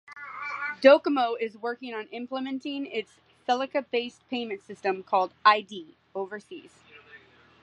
Docomo is working on implementing its FeliCa-based payment system, called iD, overseas.